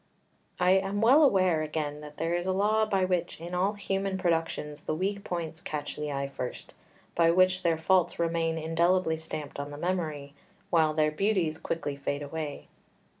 3 I am well aware, again, that there is a law by which in all human productions the weak points catch the eye first, by which their faults remain indelibly stamped on the memory, while their beauties quickly fade away.